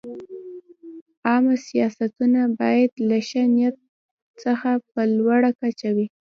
عامه سیاستونه باید له ښه نیت څخه په لوړه کچه وي.